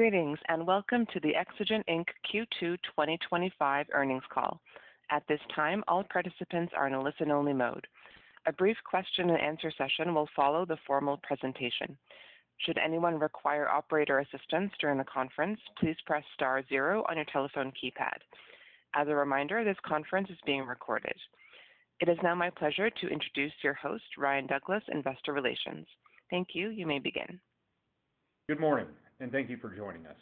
Greetings and welcome to the Exagen Inc Q2 2025 earnings call. At this time, all participants are in a listen-only mode. A brief question and answer session will follow the formal presentation. Should anyone require operator assistance during the conference, please press star zero on your telephone keypad. As a reminder, this conference is being recorded. It is now my pleasure to introduce your host, Ryan Douglas, Investor Relations. Thank you. You may begin. Good morning, and thank you for joining us.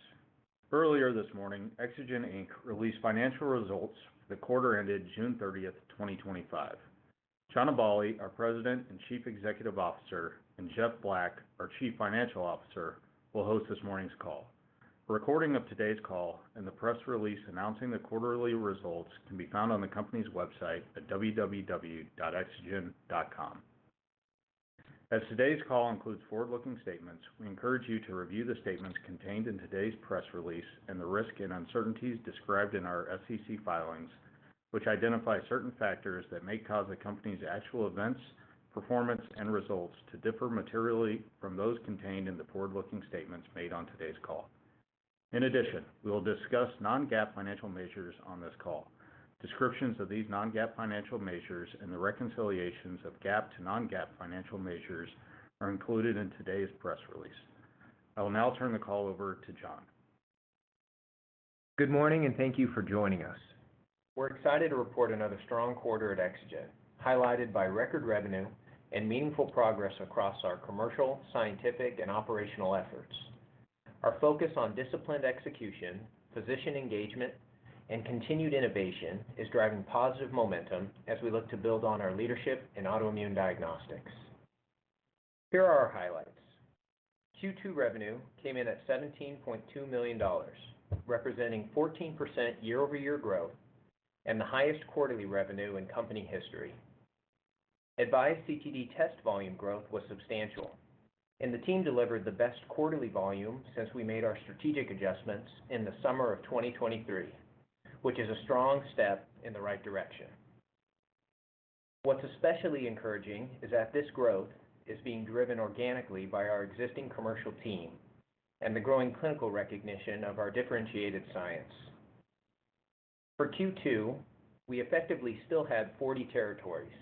Earlier this morning, Exagen Inc released financial results for the quarter ended June 30th, 2025. John Aballi, our President and Chief Executive Officer, and Jeff Black, our Chief Financial Officer, will host this morning's call. A recording of today's call and the press release announcing the quarterly results can be found on the company's website at www.exagen.com. As today's call includes forward-looking statements, we encourage you to review the statements contained in today's press release and the risk and uncertainties described in our SEC filings, which identify certain factors that may cause the company's actual events, performance, and results to differ materially from those contained in the forward-looking statements made on today's call. In addition, we will discuss non-GAAP financial measures on this call. Descriptions of these non-GAAP financial measures and the reconciliations of GAAP to non-GAAP financial measures are included in today's press release. I will now turn the call over to John. Good morning and thank you for joining us. We're excited to report another strong quarter at Exagen, highlighted by record revenue and meaningful progress across our commercial, scientific, and operational efforts. Our focus on disciplined execution, physician engagement, and continued innovation is driving positive momentum as we look to build on our leadership in autoimmune diagnostics. Here are our highlights. Q2 revenue came in at $17.2 million, representing 14% year-over-year growth and the highest quarterly revenue in company history. Avise CTD test volume growth was substantial, and the team delivered the best quarterly volume since we made our strategic adjustments in the summer of 2023, which is a strong step in the right direction. What's especially encouraging is that this growth is being driven organically by our existing commercial team and the growing clinical recognition of our differentiated science. For Q2, we effectively still had 40 territories,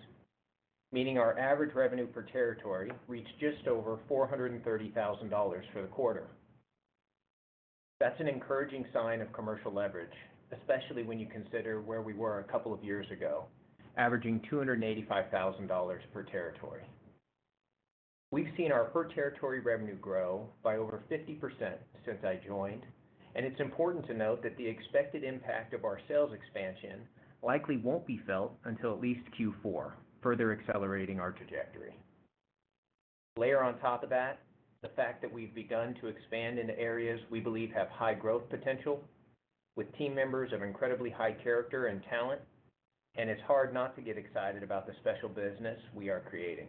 meaning our average revenue per territory reached just over $430,000 for the quarter. That's an encouraging sign of commercial leverage, especially when you consider where we were a couple of years ago, averaging $285,000 per territory. We've seen our per territory revenue grow by over 50% since I joined, and it's important to note that the expected impact of our sales expansion likely won't be felt until at least Q4, further accelerating our trajectory. Layer on top of that, the fact that we've begun to expand into areas we believe have high growth potential, with team members of incredibly high character and talent, and it's hard not to get excited about the special business we are creating.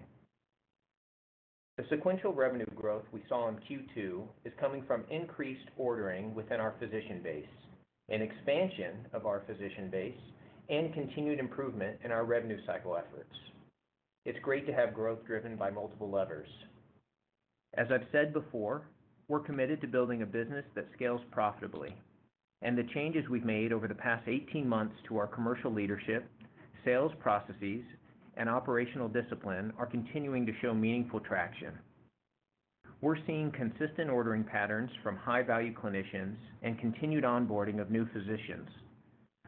The sequential revenue growth we saw in Q2 is coming from increased ordering within our physician base, an expansion of our physician base, and continued improvement in our revenue cycle efforts. It's great to have growth driven by multiple levers. As I've said before, we're committed to building a business that scales profitably, and the changes we've made over the past 18 months to our commercial leadership, sales processes, and operational discipline are continuing to show meaningful traction. We're seeing consistent ordering patterns from high-value clinicians and continued onboarding of new physicians,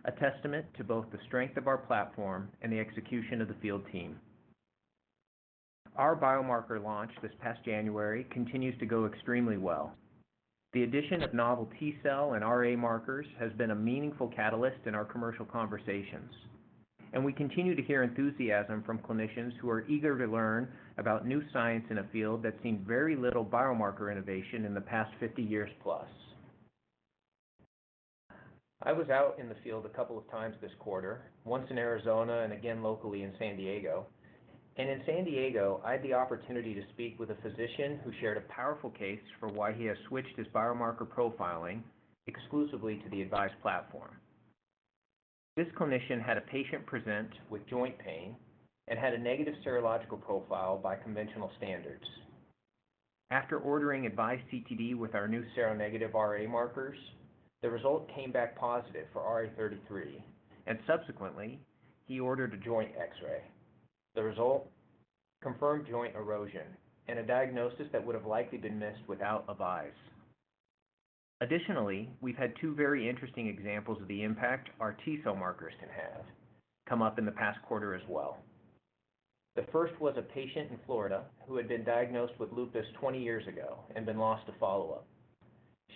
a testament to both the strength of our platform and the execution of the field team. Our biomarker launch this past January continues to go extremely well. The addition of novel T-cell and RA markers has been a meaningful catalyst in our commercial conversations, and we continue to hear enthusiasm from clinicians who are eager to learn about new science in a field that's seen very little biomarker innovation in the past 50 years+. I was out in the field a couple of times this quarter, once in Arizona and again locally in San Diego, and in San Diego, I had the opportunity to speak with a physician who shared a powerful case for why he has switched his biomarker profiling exclusively to the Advise platform. This clinician had a patient present with joint pain and had a negative serological profile by conventional standards. After ordering Avise CTD with our new seronegative RA markers, the result came back positive for RA-33, and subsequently, he ordered a joint X-ray. The result confirmed joint erosion and a diagnosis that would have likely been missed without Advise. Additionally, we've had two very interesting examples of the impact our T-cell markers can have come up in the past quarter as well. The first was a patient in Florida who had been diagnosed with lupus 20 years ago and then lost to follow-up.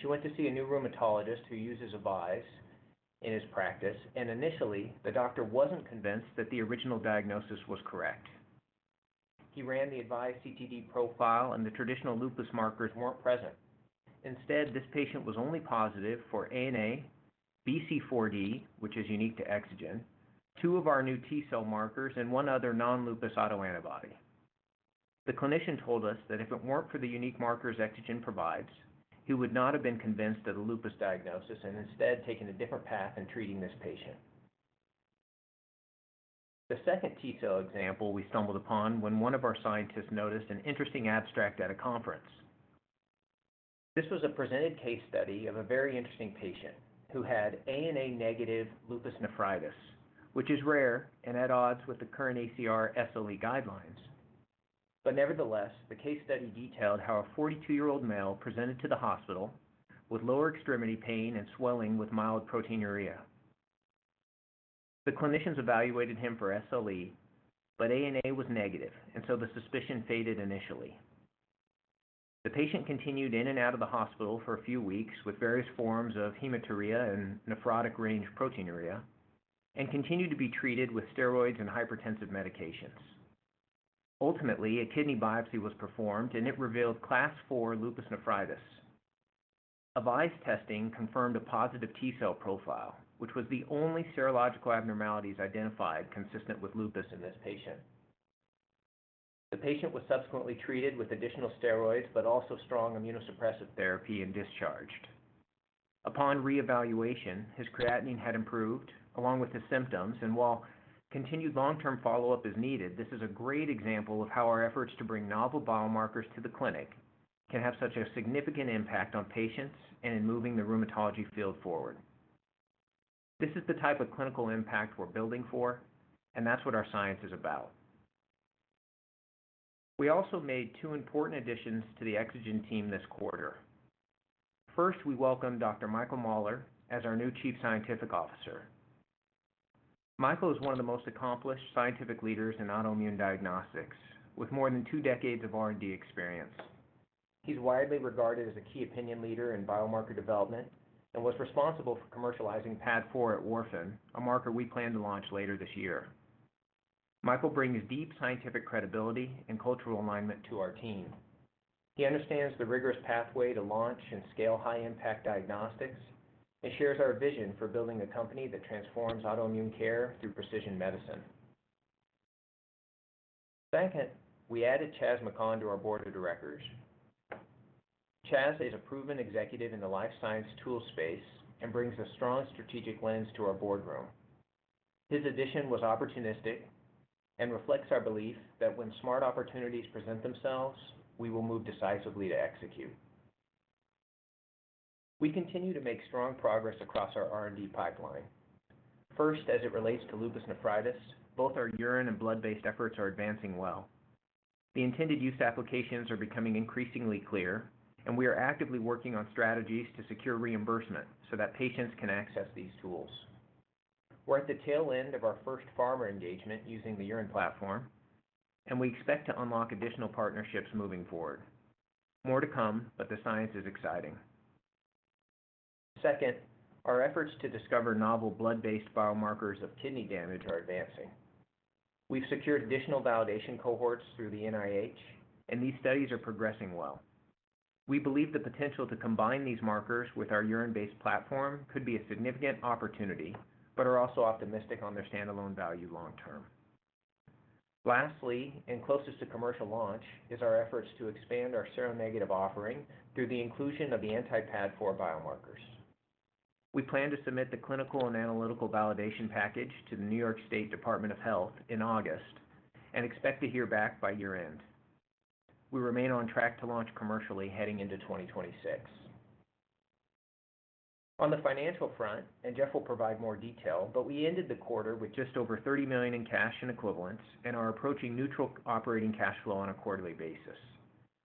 She went to see a new rheumatologist who uses Advise in his practice, and initially, the doctor wasn't convinced that the original diagnosis was correct. He ran the Avise CTD profile, and the traditional lupus markers weren't present. Instead, this patient was only positive for ANA, BC4D, which is unique to Exagen, two of our new T-cell markers, and one other non-lupus autoantibody. The clinician told us that if it weren't for the unique markers Exagen provides, he would not have been convinced of the lupus diagnosis and instead taken a different path in treating this patient. The second T-cell example we stumbled upon was when one of our scientists noticed an interesting abstract at a conference. This was a presented case study of a very interesting patient who had ANA-negative lupus nephritis, which is rare and at odds with the current ACR SLE guidelines. Nevertheless, the case study detailed how a 42-year-old male presented to the hospital with lower extremity pain and swelling with mild proteinuria. The clinicians evaluated him for SLE, but ANA was negative, and so the suspicion faded initially. The patient continued in and out of the hospital for a few weeks with various forms of hematuria and nephrotic range proteinuria and continued to be treated with steroids and hypertensive medications. Ultimately, a kidney biopsy was performed, and it revealed class IV lupus nephritis. Advise testing confirmed a positive T-cell profile, which was the only serological abnormality identified consistent with lupus in this patient. The patient was subsequently treated with additional steroids but also strong immunosuppressive therapy and discharged. Upon reevaluation, his creatinine had improved along with his symptoms, and while continued long-term follow-up is needed, this is a great example of how our efforts to bring novel biomarkers to the clinic can have such a significant impact on patients and in moving the rheumatology field forward. This is the type of clinical impact we're building for, and that's what our science is about. We also made two important additions to the Exagen team this quarter. First, we welcome Dr. Michael Mahler as our new Chief Scientific Officer. Michael is one of the most accomplished scientific leaders in autoimmune diagnostics, with more than two decades of R&D experience. He's widely regarded as a key opinion leader in biomarker development and was responsible for commercializing PAD4 at Werfen, a marker we plan to launch later this year. Michael brings deep scientific credibility and cultural alignment to our team. He understands the rigorous pathway to launch and scale high-impact diagnostics and shares our vision for building a company that transforms autoimmune care through precision medicine. Second, we added Chaz McConn to our Board of Directors. Chaz is a proven executive in the life science tool space and brings a strong strategic lens to our boardroom. His addition was opportunistic and reflects our belief that when smart opportunities present themselves, we will move decisively to execute. We continue to make strong progress across our R&D pipeline. First, as it relates to lupus nephritis, both our urine and blood-based efforts are advancing well. The intended use applications are becoming increasingly clear, and we are actively working on strategies to secure reimbursement so that patients can access these tools. We're at the tail end of our first biopharma collaboration using the urine platform, and we expect to unlock additional partnerships moving forward. More to come, but the science is exciting. Second, our efforts to discover novel blood-based biomarkers of kidney damage are advancing. We've secured additional validation cohorts through the NIH, and these studies are progressing well. We believe the potential to combine these markers with our urine-based platform could be a significant opportunity, but are also optimistic on their standalone value long term. Lastly, and closest to commercial launch, is our efforts to expand our seronegative offering through the inclusion of the anti-PAD4 biomarkers. We plan to submit the clinical and analytical validation package to the New York State Department of Health in August and expect to hear back by year-end. We remain on track to launch commercially heading into 2026. On the financial front, Jeff will provide more detail, but we ended the quarter with just over $30 million in cash and equivalents and are approaching neutral operating cash flow on a quarterly basis.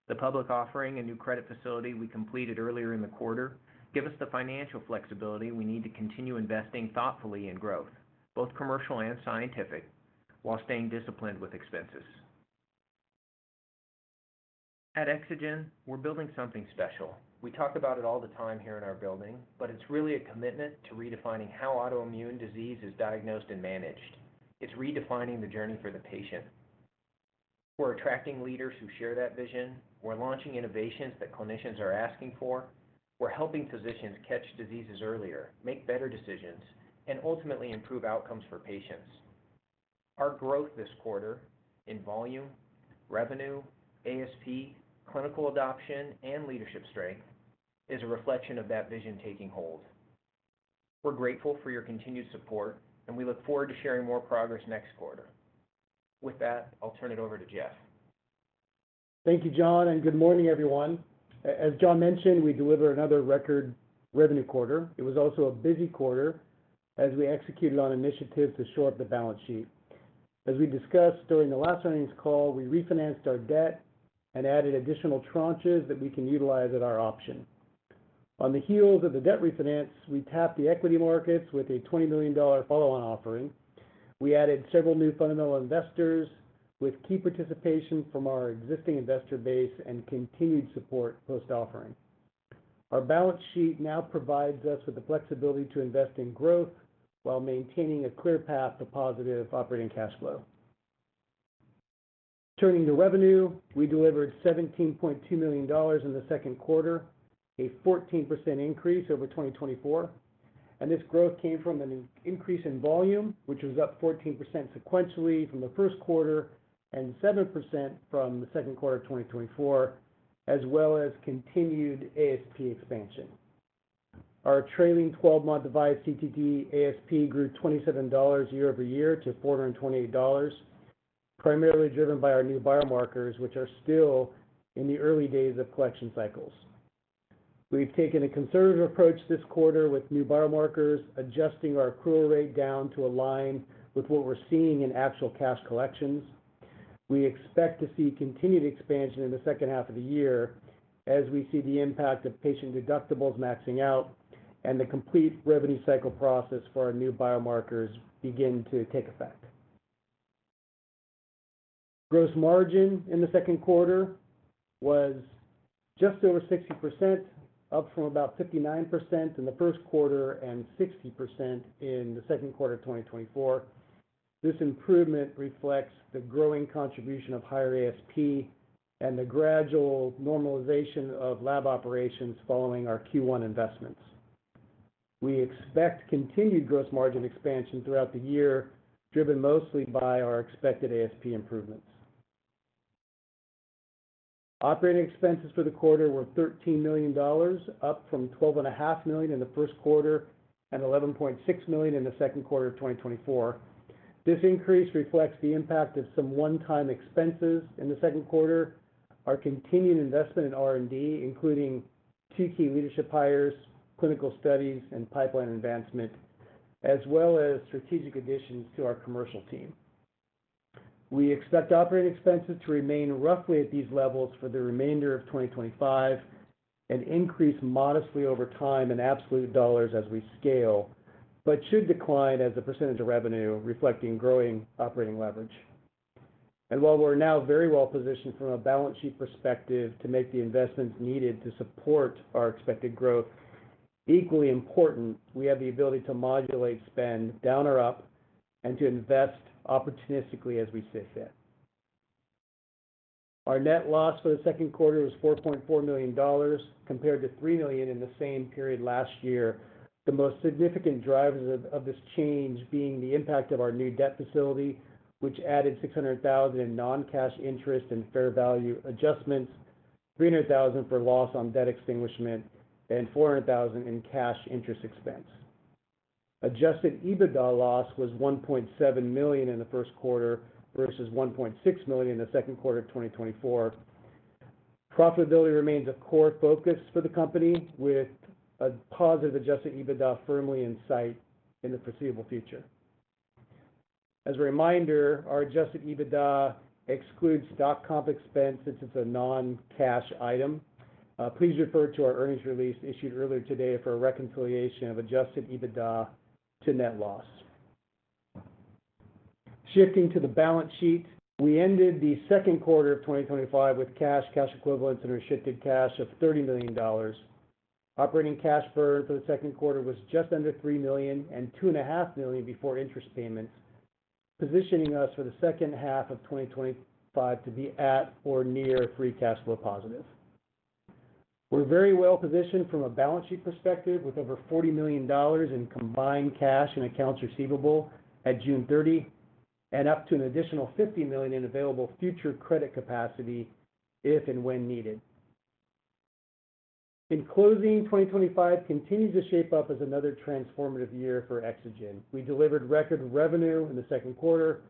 The public offering and new credit facility we completed earlier in the quarter give us the financial flexibility we need to continue investing thoughtfully in growth, both commercial and scientific, while staying disciplined with expenses. At Exagen, we're building something special. We talk about it all the time here in our building, but it's really a commitment to redefining how autoimmune disease is diagnosed and managed. It's redefining the journey for the patient. We're attracting leaders who share that vision. We're launching innovations that clinicians are asking for. We're helping physicians catch diseases earlier, make better decisions, and ultimately improve outcomes for patients. Our growth this quarter in volume, revenue, ASP, clinical adoption, and leadership strength is a reflection of that vision taking hold. We're grateful for your continued support, and we look forward to sharing more progress next quarter. With that, I'll turn it over to Jeff. Thank you, John, and good morning, everyone. As John mentioned, we delivered another record revenue quarter. It was also a busy quarter as we executed on initiatives to shore up the balance sheet. As we discussed during the last earnings call, we refinanced our debt and added additional tranches that we can utilize at our option. On the heels of the debt refinance, we tapped the equity markets with a $20 million follow-on offering. We added several new fundamental investors with key participation from our existing investor base and continued support post-offering. Our balance sheet now provides us with the flexibility to invest in growth while maintaining a clear path to positive operating cash flow. Turning to revenue, we delivered $17.2 million in the second quarter, a 14% increase over 2024. This growth came from an increase in volume, which was up 14% sequentially from the first quarter and 7% from the second quarter of 2024, as well as continued ASP expansion. Our t`railing 12-month Avise CTD ASP grew $27 year-over-year to $428, primarily driven by our new biomarkers, which are still in the early days of collection cycles. We've taken a conservative approach this quarter with new biomarkers, adjusting our accrual rate down to align with what we're seeing in actual cash collections. We expect to see continued expansion in the second half of the year as we see the impact of patient deductibles maxing out and the complete revenue cycle process for our new biomarkers begin to take effect. Gross margin in the second quarter was just over 60%, up from about 59% in the first quarter and 60% in the second quarter of 2024. This improvement reflects the growing contribution of higher ASP and the gradual normalization of lab operations following our Q1 investments. We expect continued gross margin expansion throughout the year, driven mostly by our expected ASP improvements. Operating expenses for the quarter were $13 million, up from $12.5 million in the first quarter and $11.6 million in the second quarter of 2024. This increase reflects the impact of some one-time expenses in the second quarter, our continued investment in R&D, including two key leadership hires, clinical studies, and pipeline advancement, as well as strategic additions to our commercial team. We expect operating expenses to remain roughly at these levels for the remainder of 2025 and increase modestly over time in absolute dollars as we scale, but should decline as a percentage of revenue reflecting growing operating leverage. While we're now very well positioned from a balance sheet perspective to make the investments needed to support our expected growth, equally important, we have the ability to modulate spend down or up and to invest opportunistically as we see fit. Our net loss for the second quarter was $4.4 million compared to $3 million in the same period last year, the most significant drivers of this change being the impact of our new debt facility, which added $600,000 in non-cash interest and fair value adjustments, $300,000 for loss on debt extinguishment, and $400,000 in cash interest expense. Adjusted EBITDA loss was $1.7 million in the first quarter versus $1.6 million in the second quarter of 2024. Profitability remains a core focus for the company, with a positive adjusted EBITDA firmly in sight in the foreseeable future. As a reminder, our adjusted EBITDA excludes stock comp expense since it's a non-cash item. Please refer to our earnings release issued earlier today for a reconciliation of adjusted EBITDA to net loss. Shifting to the balance sheet, we ended the second quarter of 2025 with cash, cash equivalents, and restricted cash of $30 million. Operating cash flow for the second quarter was just under $3 million and $2.5 million before interest payments, positioning us for the second half of 2025 to be at or near free cash flow positive. We're very well positioned from a balance sheet perspective with over $40 million in combined cash and accounts receivable at June 30 and up to an additional $50 million in available future credit capacity if and when needed. In closing, 2025 continues to shape up as another transformative year for Exagen. We delivered record revenue in the second quarter,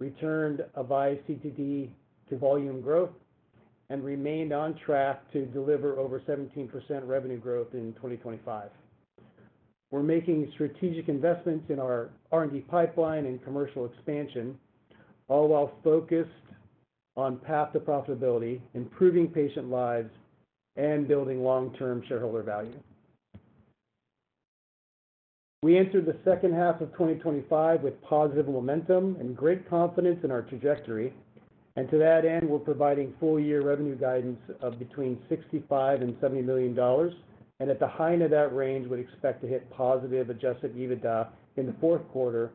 returned Avise CTD to volume growth, and remained on track to deliver over 17% revenue growth in 2025. We're making strategic investments in our R&D pipeline and commercial expansion, all while focused on path to profitability, improving patient lives, and building long-term shareholder value. We entered the second half of 2025 with positive momentum and great confidence in our trajectory, and to that end, we're providing full-year revenue guidance of between $65 million and $70 million. At the high end of that range, we'd expect to hit positive adjusted EBITDA in the fourth quarter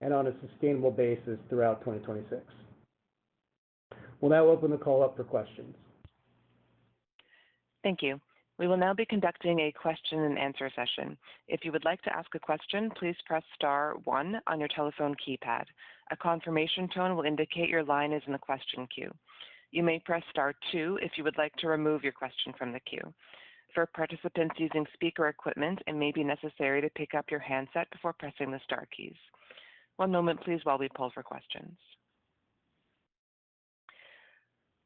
and on a sustainable basis throughout 2026. We'll now open the call up for questions. Thank you. We will now be conducting a question and answer session. If you would like to ask a question, please press star one on your telephone keypad. A confirmation tone will indicate your line is in the question queue. You may press star one if you would like to remove your question from the queue. For participants using speaker equipment, it may be necessary to pick up your handset before pressing the star keys. One moment, please, while we poll for questions.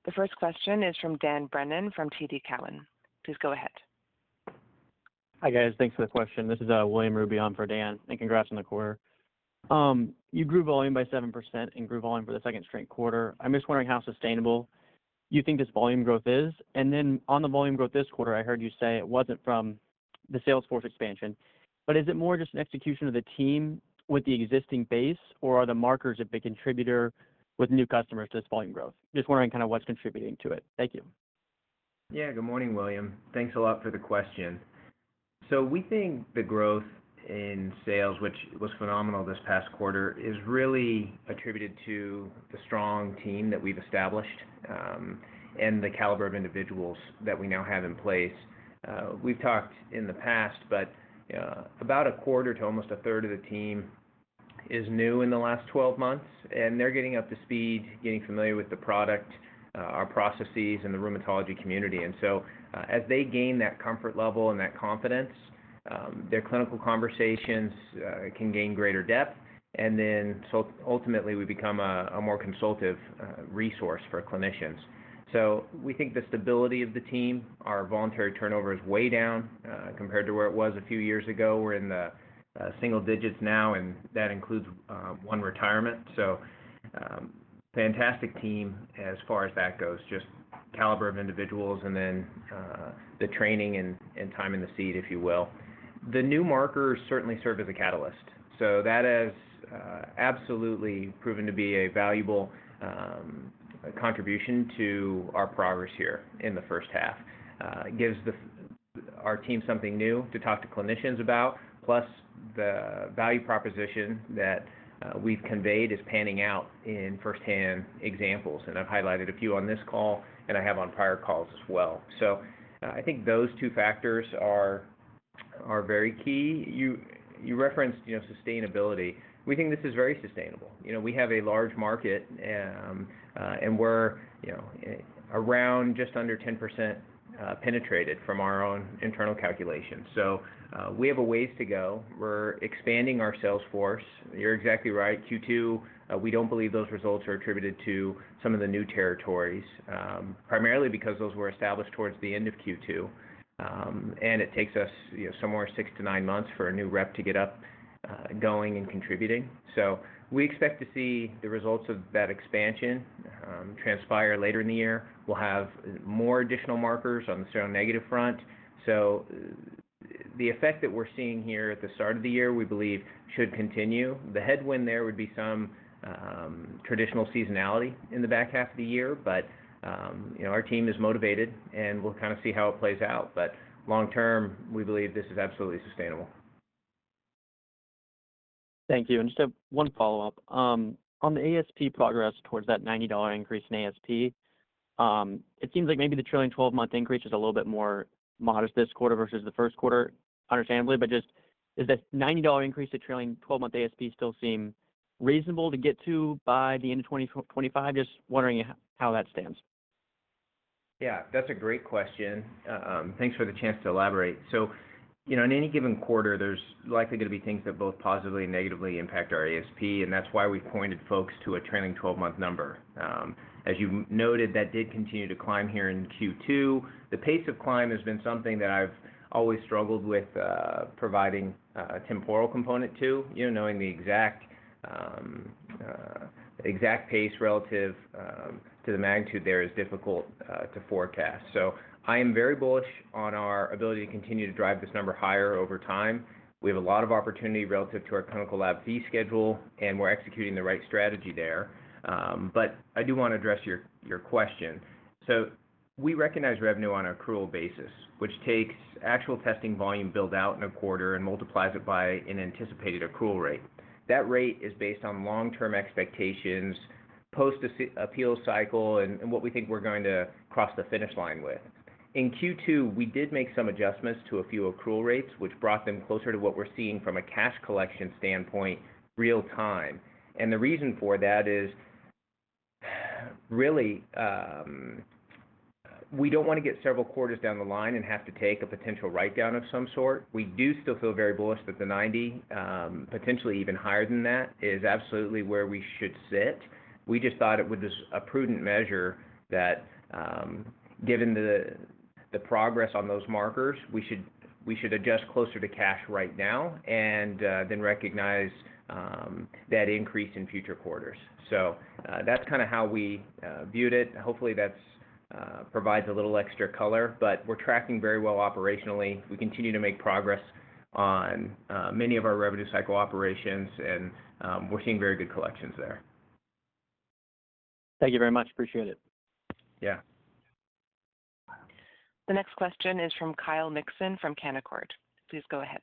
The first question is from Dan Brennan from TD Cowen. Please go ahead. Hi, guys. Thanks for the question. This is William Ruby on for Dan, and congrats on the quarter. You grew volume by 7% and grew volume for the second straight quarter. I'm just wondering how sustainable you think this volume growth is. On the volume growth this quarter, I heard you say it wasn't from the Salesforce expansion. Is it more just an execution of the team with the existing base, or are the markers a big contributor with new customers to this volume growth? Just wondering kind of what's contributing to it. Thank you. Yeah, good morning, William. Thanks a lot for the question. We think the growth in sales, which was phenomenal this past quarter, is really attributed to the strong team that we've established and the caliber of individuals that we now have in place. We've talked in the past, about a quarter to almost a third of the team is new in the last 12 months, and they're getting up to speed, getting familiar with the product, our processes, and the rheumatology community. As they gain that comfort level and that confidence, their clinical conversations can gain greater depth, and ultimately we become a more consultative resource for clinicians. We think the stability of the team, our voluntary turnover is way down compared to where it was a few years ago. We're in the single digits now, and that includes one retirement. Fantastic team as far as that goes, just caliber of individuals and then the training and time in the seat, if you will. The new markers certainly serve as a catalyst. That has absolutely proven to be a valuable contribution to our progress here in the first half. It gives our team something new to talk to clinicians about. Plus, the value proposition that we've conveyed is panning out in firsthand examples, and I've highlighted a few on this call and I have on prior calls as well. I think those two factors are very key. You referenced sustainability. We think this is very sustainable. We have a large market, and we're around just under 10% penetrated from our own internal calculations. We have a ways to go. We're expanding our sales force. You're exactly right. Q2, we don't believe those results are attributed to some of the new territories, primarily because those were established towards the end of Q2. It takes us somewhere six to nine months for a new rep to get up going and contributing. We expect to see the results of that expansion transpire later in the year. We'll have more additional markers on the seronegative front. The effect that we're seeing here at the start of the year, we believe, should continue. The headwind there would be some traditional seasonality in the back half of the year, but our team is motivated, and we'll kind of see how it plays out. Long term, we believe this is absolutely sustainable. Thank you. I just have one follow-up. On the ASP progress towards that $90 increase in ASP, it seems like maybe the trailing 12-month increase is a little bit more modest this quarter versus the first quarter, understandably. Is the $90 increase to trailing 12-month ASP still reasonable to get to by the end of 2025? I am just wondering how that stands. Yeah, that's a great question. Thanks for the chance to elaborate. In any given quarter, there's likely going to be things that both positively and negatively impact our ASP, and that's why we've pointed folks to a trailing 12-month number. As you noted, that did continue to climb here in Q2. The pace of climb has been something that I've always struggled with providing a temporal component to, knowing the exact pace relative to the magnitude there is difficult to forecast. I am very bullish on our ability to continue to drive this number higher over time. We have a lot of opportunity relative to our clinical lab fee schedule, and we're executing the right strategy there. I do want to address your question. We recognize revenue on an accrual basis, which takes actual testing volume built out in a quarter and multiplies it by an anticipated accrual rate. That rate is based on long-term expectations, post-appeal cycle, and what we think we're going to cross the finish line with. In Q2, we did make some adjustments to a few accrual rates, which brought them closer to what we're seeing from a cash collection standpoint real time. The reason for that is really, we don't want to get several quarters down the line and have to take a potential write-down of some sort. We do still feel very bullish that the $90, potentially even higher than that, is absolutely where we should sit. We just thought it was a prudent measure that given the progress on those markers, we should adjust closer to cash right now and then recognize that increase in future quarters. That's kind of how we viewed it. Hopefully, that provides a little extra color, but we're tracking very well operationally. We continue to make progress on many of our revenue cycle operations, and we're seeing very good collections there. Thank you very much. Appreciate it. Yeah. The next question is from Kyle Nixon from Canaccord. Please go ahead.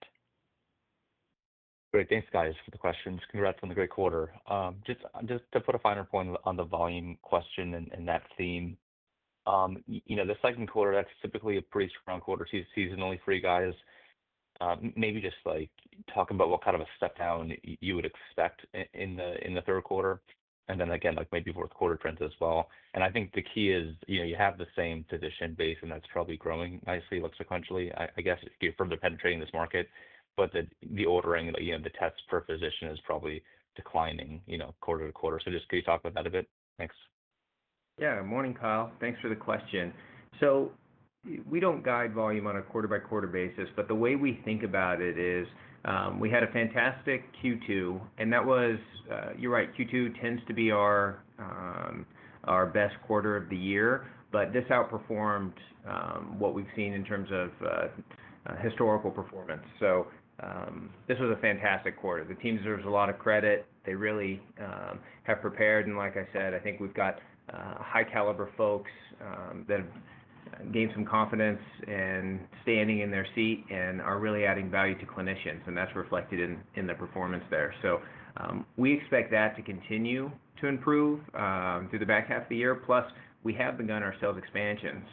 Great. Thanks, guys, for the questions. Congrats on the great quarter. Just to put a finer point on the volume question and that theme, you know the second quarter, that's typically a pretty strong quarter, two seasons, only three guys. Maybe just like talking about what kind of a step down you would expect in the third quarter and then again, like maybe fourth quarter trends as well. I think the key is you know you have the same physician base and that's probably growing nicely, like sequentially, I guess, if you're further penetrating this market, but the ordering, you know the test per physician is probably declining you know quarter to quarter. Just can you talk about that a bit? Thanks. Yeah. Morning, Kyle. Thanks for the question. We don't guide volume on a quarter-by-quarter basis, but the way we think about it is we had a fantastic Q2, and that was, you're right, Q2 tends to be our best quarter of the year, but this outperformed what we've seen in terms of historical performance. This was a fantastic quarter. The team deserves a lot of credit. They really have prepared, and like I said, I think we've got high-caliber folks that have gained some confidence and standing in their seat and are really adding value to clinicians, and that's reflected in the performance there. We expect that to continue to improve through the back half of the year. Plus, we have begun our sales expansion.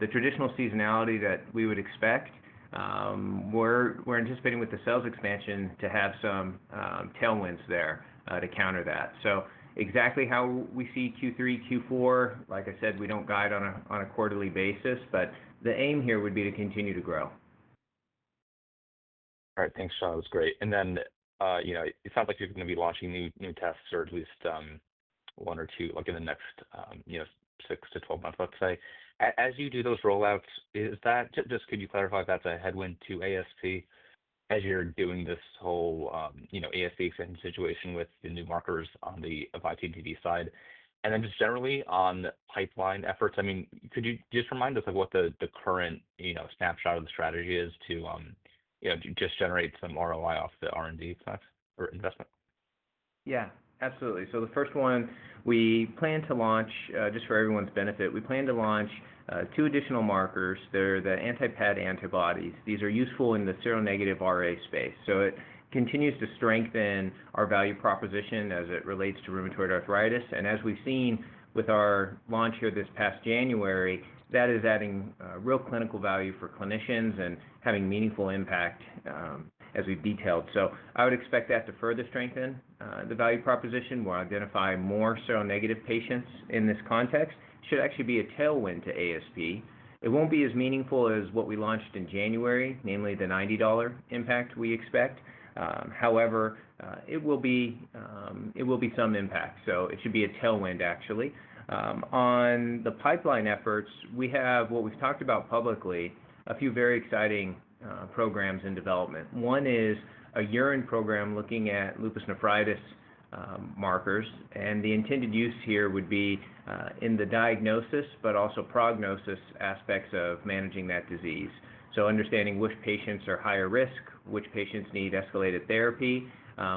The traditional seasonality that we would expect, we're anticipating with the sales expansion to have some tailwinds there to counter that. Exactly how we see Q3, Q4, like I said, we don't guide on a quarterly basis, but the aim here would be to continue to grow. All right. Thanks, John. That was great. It sounds like you're going to be launching new tests or at least one or two in the next 6-12 months, let's say. As you do those rollouts, could you clarify if that's a headwind to ASP as you're doing this whole ASP expansion situation with the new markers on the Avise CTD side? Generally on pipeline efforts, could you just remind us of what the current snapshot of the strategy is to generate some ROI off the R&D effect or investment? Yeah, absolutely. The first one, we plan to launch, just for everyone's benefit, we plan to launch two additional markers. They're the anti-PAD antibodies. These are useful in the seronegative rheumatoid arthritis space. It continues to strengthen our value proposition as it relates to rheumatoid arthritis. As we've seen with our launch here this past January, that is adding real clinical value for clinicians and having meaningful impact as we've detailed. I would expect that to further strengthen the value proposition. We'll identify more seronegative patients in this context. It should actually be a tailwind to ASP. It won't be as meaningful as what we launched in January, namely the $90 impact we expect. However, it will be some impact. It should be a tailwind, actually. On the pipeline efforts, we have what we've talked about publicly, a few very exciting programs in development. One is a urine program looking at lupus nephritis diagnostics, and the intended use here would be in the diagnosis but also prognosis aspects of managing that disease. Understanding which patients are higher risk, which patients need escalated therapy,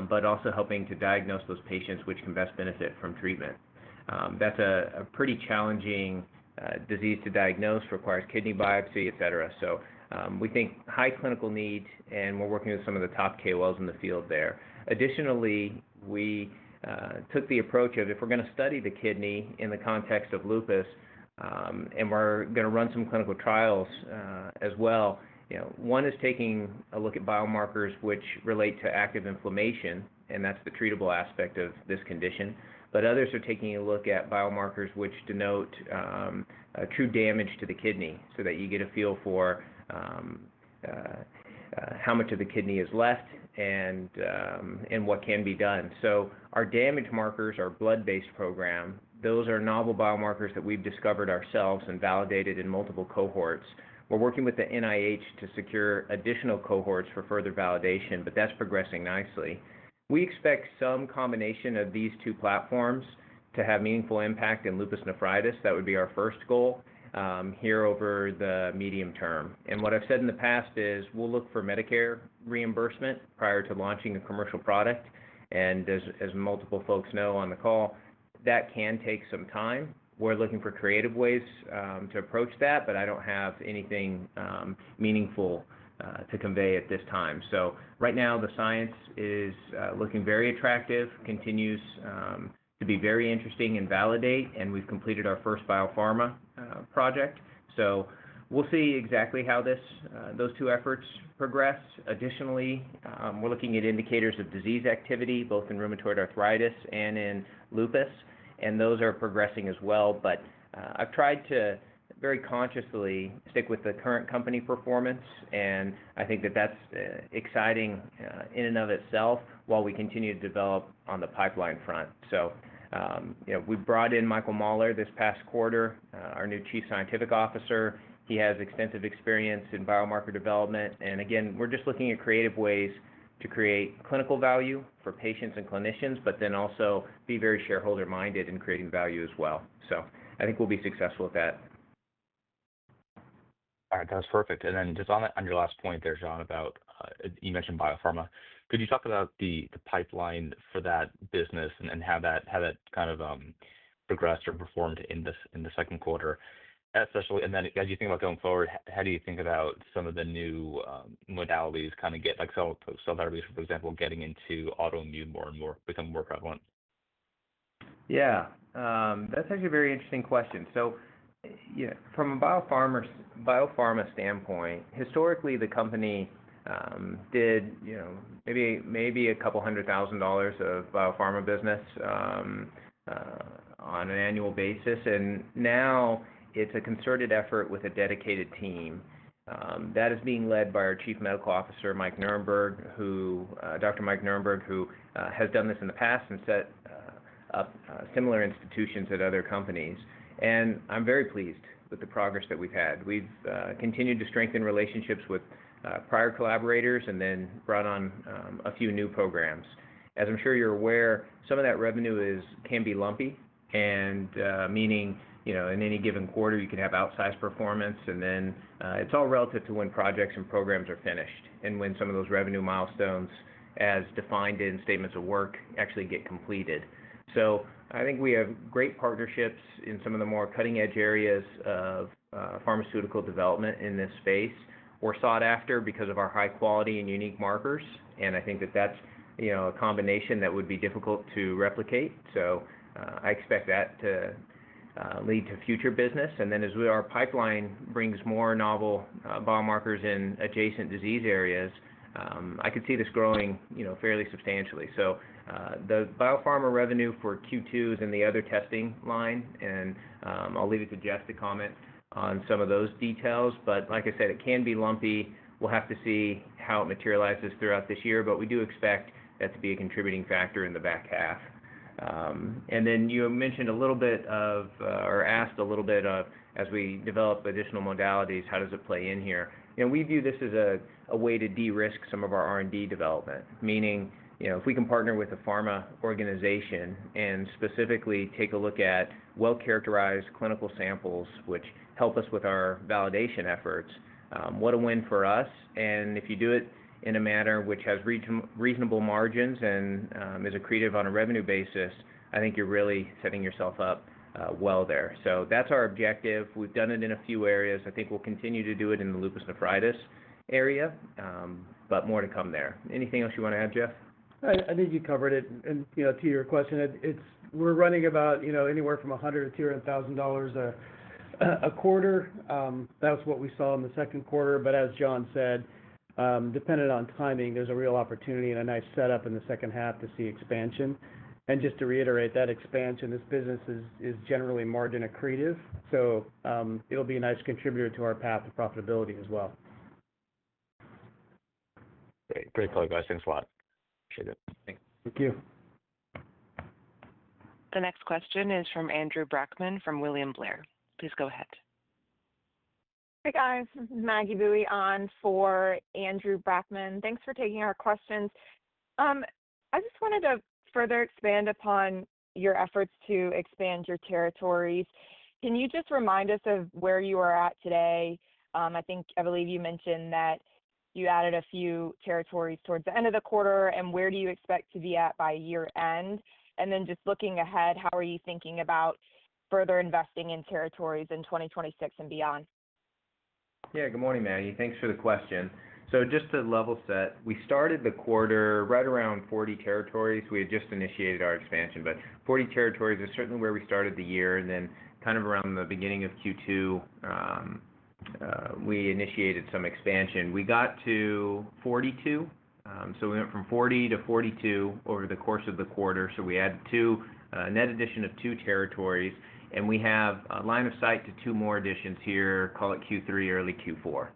but also helping to diagnose those patients which can best benefit from treatment. That's a pretty challenging disease to diagnose, requires kidney biopsy, et cetera. We think high clinical need, and we're working with some of the top KOLs in the field there. Additionally, we took the approach of if we're going to study the kidney in the context of lupus and we're going to run some clinical trials as well, one is taking a look at biomarkers which relate to active inflammation, and that's the treatable aspect of this condition. Others are taking a look at biomarkers which denote true damage to the kidney so that you get a feel for how much of the kidney is left and what can be done. Our damage markers, our blood-based program, those are novel biomarkers that we've discovered ourselves and validated in multiple cohorts. We're working with the NIH to secure additional cohorts for further validation, but that's progressing nicely. We expect some combination of these two platforms to have meaningful impact in lupus nephritis. That would be our first goal here over the medium term. What I've said in the past is we'll look for Medicare reimbursement prior to launching a commercial product. As multiple folks know on the call, that can take some time. We're looking for creative ways to approach that, but I don't have anything meaningful to convey at this time. Right now, the science is looking very attractive, continues to be very interesting and validates, and we've completed our first biopharma project. We'll see exactly how those two efforts progress. Additionally, we're looking at indicators of disease activity, both in rheumatoid arthritis and in lupus, and those are progressing as well. I've tried to very consciously stick with the current company performance, and I think that that's exciting in and of itself while we continue to develop on the pipeline front. We brought in Dr. Michael Mahler this past quarter, our new Chief Scientific Officer. He has extensive experience in biomarker development. Again, we're just looking at creative ways to create clinical value for patients and clinicians, but then also be very shareholder-minded in creating value as well. I think we'll be successful at that. All right. That was perfect. On your last point there, John, about you mentioned biopharma, could you talk about the pipeline for that business and how that kind of progressed or performed in the second quarter? Especially as you think about going forward, how do you think about some of the new modalities, kind of like cell therapies, for example, getting into autoimmune more and more, become more prevalent? Yeah. That's actually a very interesting question. From a biopharma standpoint, historically, the company did maybe a couple hundred thousand dollars of biopharma business on an annual basis. Now it's a concerted effort with a dedicated team that is being led by our Chief Medical Officer, Dr. Mike Nirenberg, who has done this in the past and set up similar institutions at other companies. I'm very pleased with the progress that we've had. We've continued to strengthen relationships with prior collaborators and then brought on a few new programs. As I'm sure you're aware, some of that revenue can be lumpy, meaning in any given quarter, you could have outsized performance, and it's all relative to when projects and programs are finished and when some of those revenue milestones, as defined in statements of work, actually get completed. I think we have great partnerships in some of the more cutting-edge areas of pharmaceutical development in this space. We're sought after because of our high quality and unique markers, and I think that that's a combination that would be difficult to replicate. I expect that to lead to future business. As our pipeline brings more novel biomarkers in adjacent disease areas, I could see this growing fairly substantially. The biopharma revenue for Q2 is in the other testing line, and I'll leave it to Jeff to comment on some of those details. Like I said, it can be lumpy. We'll have to see how it materializes throughout this year, but we do expect that to be a contributing factor in the back half. You mentioned a little bit of or asked a little bit of, as we develop additional modalities, how does it play in here? We view this as a way to de-risk some of our R&D development, meaning if we can partner with a pharma organization and specifically take a look at well-characterized clinical samples, which help us with our validation efforts, what a win for us. If you do it in a manner which has reasonable margins and is accretive on a revenue basis, I think you're really setting yourself up well there. That's our objective. We've done it in a few areas. I think we'll continue to do it in the lupus nephritis area, but more to come there. Anything else you want to add, Jeff? I think you covered it. To your question, we're running about anywhere from $100,000-$200,000 a quarter. That was what we saw in the second quarter. As John said, dependent on timing, there's a real opportunity and a nice setup in the second half to see expansion. Just to reiterate, that expansion, this business is generally margin accretive. It'll be a nice contributor to our path to profitability as well. Great. Great call, guys. Thanks a lot. Appreciate it. Thank you. The next question is from Andrew Brackman from William Blair. Please go ahead. Hey, guys. This is Maggie Boeye on for Andrew Brackman. Thanks for taking our questions. I just wanted to further expand upon your efforts to expand your territories. Can you just remind us of where you are at today? I believe you mentioned that you added a few territories towards the end of the quarter, and where do you expect to be at by year-end? Just looking ahead, how are you thinking about further investing in territories in 2026 and beyond? Yeah. Good morning, Maggie. Thanks for the question. Just to level set, we started the quarter right around 40 territories. We had just initiated our expansion, but 40 territories is certainly where we started the year. Kind of around the beginning of Q2, we initiated some expansion. We got to 42. We went from 40 to 42 over the course of the quarter. We added a net addition of two territories, and we have a line of sight to two more additions here, call it Q3, early Q4.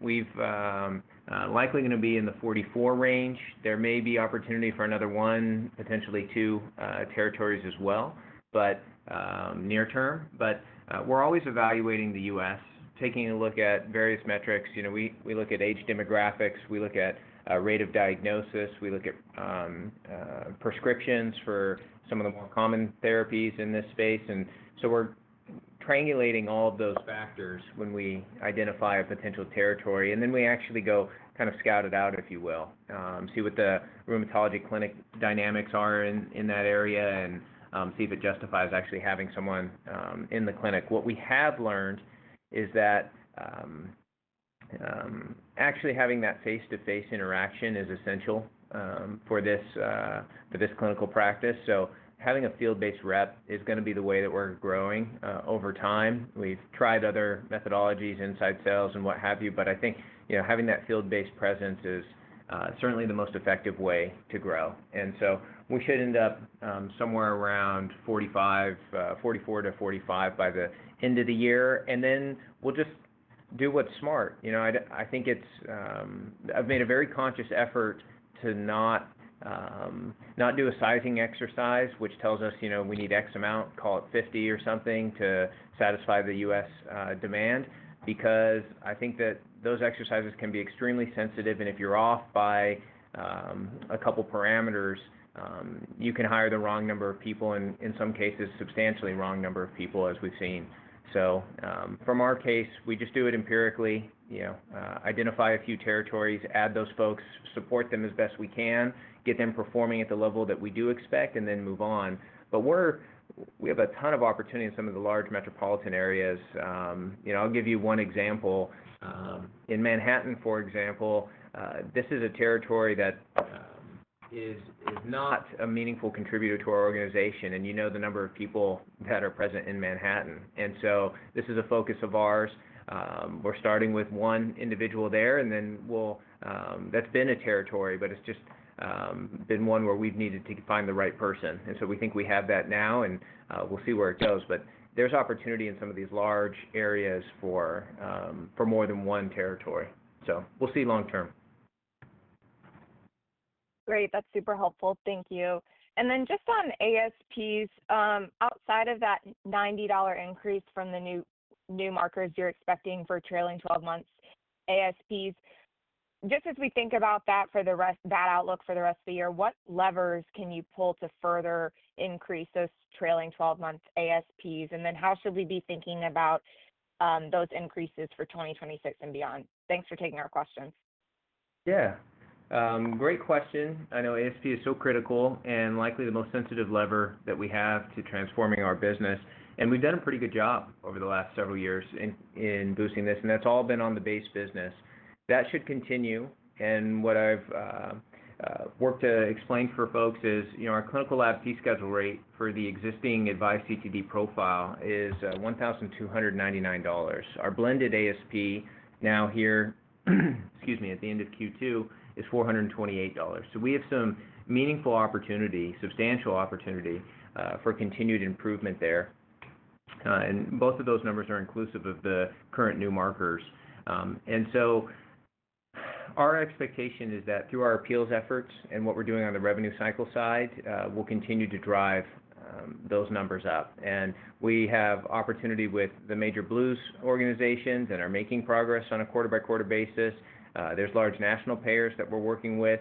We're likely going to be in the 44 range. There may be opportunity for another one, potentially two territories as well, near term. We're always evaluating the U.S., taking a look at various metrics. We look at age demographics. We look at rate of diagnosis. We look at prescriptions for some of the more common therapies in this space. We're triangulating all of those factors when we identify a potential territory. We actually go scout it out, if you will, see what the rheumatology clinic dynamics are in that area and see if it justifies actually having someone in the clinic. What we have learned is that actually having that face-to-face interaction is essential for this clinical practice. Having a field-based rep is going to be the way that we're growing over time. We've tried other methodologies, inside sales, and what have you, but I think having that field-based presence is certainly the most effective way to grow. We should end up somewhere around 44-45 by the end of the year. We'll just do what's smart. I think I've made a very conscious effort to not do a sizing exercise, which tells us we need X amount, call it 50 or something, to satisfy the U.S. demand because I think that those exercises can be extremely sensitive. If you're off by a couple parameters, you can hire the wrong number of people and in some cases, substantially wrong number of people, as we've seen. From our case, we just do it empirically, identify a few territories, add those folks, support them as best we can, get them performing at the level that we do expect, and then move on. We have a ton of opportunity in some of the large metropolitan areas. I'll give you one example. In Manhattan, for example, this is a territory that is not a meaningful contributor to our organization, and you know the number of people that are present in Manhattan. This is a focus of ours. We're starting with one individual there, and that's been a territory, but it's just been one where we've needed to find the right person. We think we have that now, and we'll see where it goes. There's opportunity in some of these large areas for more than one territory. We'll see long term. Great. That's super helpful. Thank you. Just on ASPs, outside of that $90 increase from the new markers you're expecting for trailing 12 months ASPs, as we think about that for the rest of that outlook for the rest of the year, what levers can you pull to further increase those trailing 12-month ASPs? How should we be thinking about those increases for 2026 and beyond? Thanks for taking our question. Great question. I know ASP is so critical and likely the most sensitive lever that we have to transforming our business. We've done a pretty good job over the last several years in boosting this, and that's all been on the base business. That should continue. What I've worked to explain for folks is our clinical lab fee schedule rate for the existing Avise CTD profile is $1,299. Our blended ASP now here, at the end of Q2, is $428. We have some meaningful opportunity, substantial opportunity for continued improvement there. Both of those numbers are inclusive of the current new markers. Our expectation is that through our appeals efforts and what we're doing on the revenue cycle side, we'll continue to drive those numbers up. We have opportunity with the major Blues organizations and are making progress on a quarter-by-quarter basis. There are large national payers that we're working with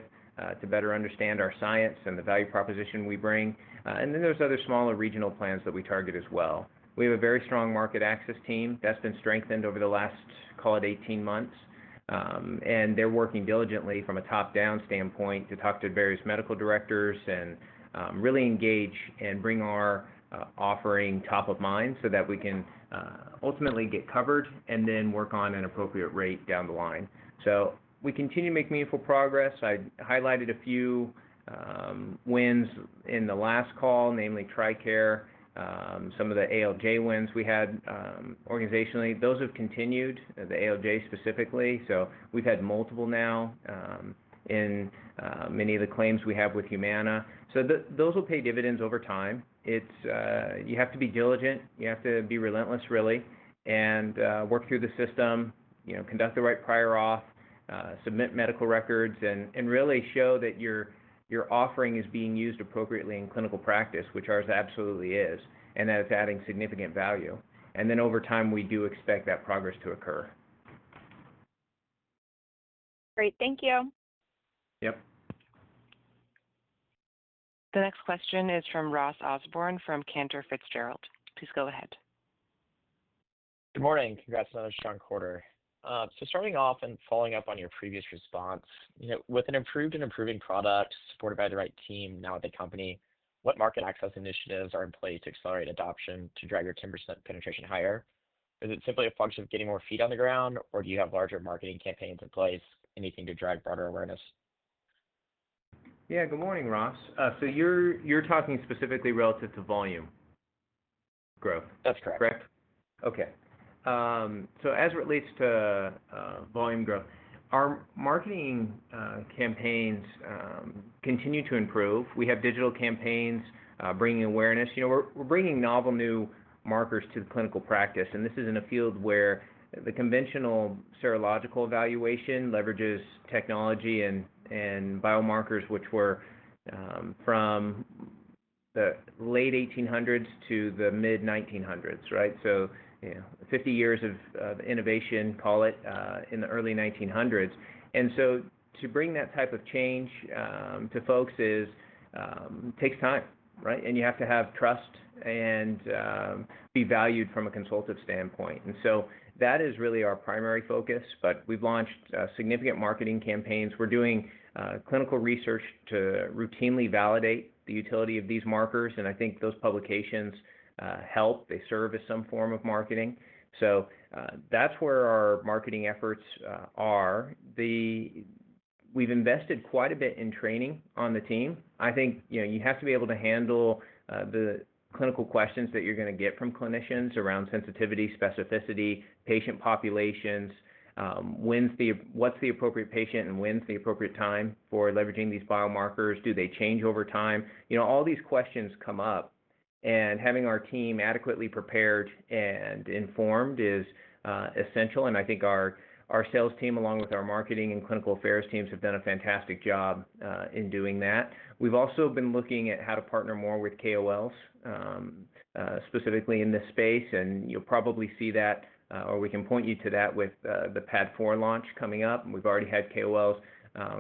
to better understand our science and the value proposition we bring. There are other smaller regional plans that we target as well. We have a very strong market access team that's been strengthened over the last, call it, 18 months. They're working diligently from a top-down standpoint to talk to various medical directors and really engage and bring our offering top of mind so that we can ultimately get covered and then work on an appropriate rate down the line. We continue to make meaningful progress. I highlighted a few wins in the last call, namely TRICARE, some of the ALJ wins we had organizationally. Those have continued, the ALJ specifically. We've had multiple now in many of the claims we have with Humana. Those will pay dividends over time. You have to be diligent. You have to be relentless, really, and work through the system, conduct the right prior auth, submit medical records, and really show that your offering is being used appropriately in clinical practice, which ours absolutely is, and that it's adding significant value. Over time, we do expect that progress to occur. Great, thank you. Yep. The next question is from Ross Osborn from Cantor Fitzgerald. Please go ahead. Good morning. Congrats on another strong quarter. Starting off and following up on your previous response, with an improved and improving product supported by the right team now at the company, what market access initiatives are in play to accelerate adoption to drive your 10% penetration higher? Is it simply a function of getting more feet on the ground, or do you have larger marketing campaigns in place, anything to drive broader awareness? Yeah. Good morning, Ross. You're talking specifically relative to volume growth. That's correct. Correct? Okay. As it relates to volume growth, our marketing campaigns continue to improve. We have digital campaigns bringing awareness. You know we're bringing novel new markers to the clinical practice. This is in a field where the conventional serological evaluation leverages technology and biomarkers, which were from the late 1800s to the mid-1900s, right? Fifty years of innovation, call it, in the early 1900s. To bring that type of change to folks takes time, right? You have to have trust and be valued from a consultative standpoint. That is really our primary focus. We've launched significant marketing campaigns. We're doing clinical research to routinely validate the utility of these markers. I think those publications help. They serve as some form of marketing. That's where our marketing efforts are. We've invested quite a bit in training on the team. I think you have to be able to handle the clinical questions that you're going to get from clinicians around sensitivity, specificity, patient populations, what's the appropriate patient and when's the appropriate time for leveraging these biomarkers? Do they change over time? All these questions come up. Having our team adequately prepared and informed is essential. I think our sales team, along with our marketing and clinical affairs teams, have done a fantastic job in doing that. We've also been looking at how to partner more with KOLs, specifically in this space. You will probably see that, or we can point you to that with the PAD4 launch coming up. We've already had KOLs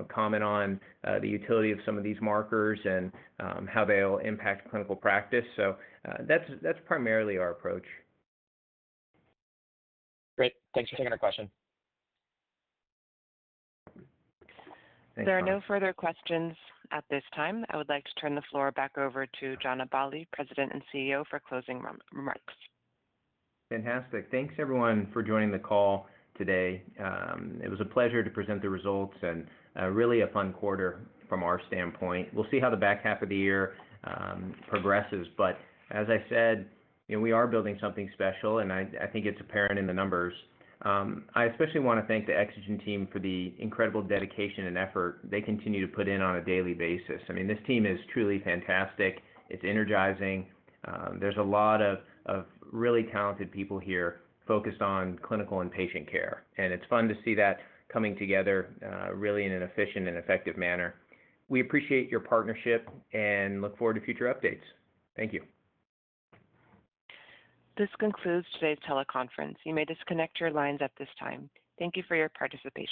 comment on the utility of some of these markers and how they'll impact clinical practice. That's primarily our approach. Great. Thanks for taking our question. There are no further questions at this time. I would like to turn the floor back over to John Aballi, President and CEO, for closing remarks. Fantastic. Thanks, everyone, for joining the call today. It was a pleasure to present the results and really a fun quarter from our standpoint. We'll see how the back half of the year progresses. As I said, we are building something special, and I think it's apparent in the numbers. I especially want to thank the Exagen team for the incredible dedication and effort they continue to put in on a daily basis. This team is truly fantastic. It's energizing. There are a lot of really talented people here focused on clinical and patient care. It's fun to see that coming together really in an efficient and effective manner. We appreciate your partnership and look forward to future updates. Thank you. This concludes today's teleconference. You may disconnect your lines at this time. Thank you for your participation.